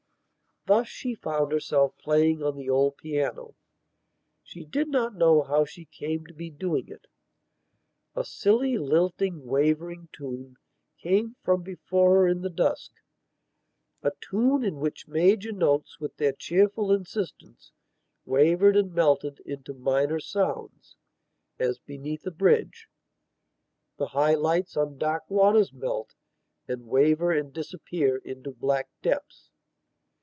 Thus she found herself playing on the old piano. She did not know how she came to be doing it. A silly lilting wavering tune came from before her in the duska tune in which major notes with their cheerful insistence wavered and melted into minor sounds, as, beneath a bridge, the high lights on dark waters melt and waver and disappear into black depths.